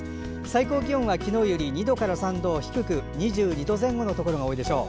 最高気温が昨日より２度から３度低く２２度前後のところが多いでしょう。